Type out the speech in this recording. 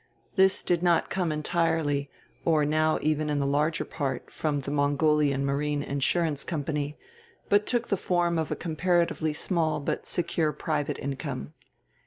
This did not come entirely, or now even in the larger part, from the Mongolian Marine Insurance Company, but took the form of a comparatively small but secure private income.